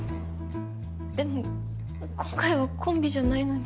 でも今回はコンビじゃないのに。